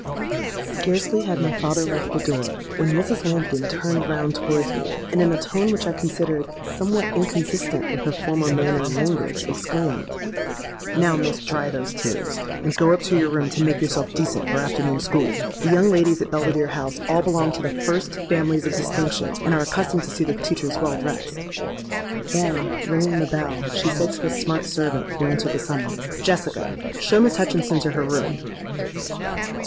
"Scarcely had my father left the door, when Mrs. Lambkin turned round towards me, and in a tone which I considered somewhat inconsistent with her former manner and language, exclaimed, 'Now, miss, dry those tears, and go up to your room to make yourself decent for afternoon school. The young ladies at Belvidere House all belong to the first families of distinction, and are accustomed to see the teachers well dressed.' Then, ringing the bell, she said to a smart servant who answered the summons, 'Jessica, show Miss Hutchinson to her room.'